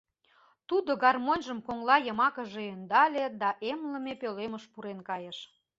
Тудо гармоньжым коҥла йымакыже ӧндале да эмлыме пӧлемыш пурен кайыш.